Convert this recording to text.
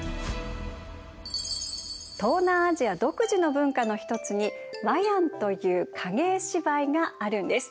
東南アジア独自の文化の一つにワヤンという影絵芝居があるんです。